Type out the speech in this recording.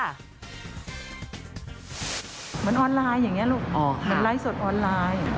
เหมือนออนไลน์อย่างเงี้ยลูกอ๋อค่ะมันไลฟ์สดออนไลน์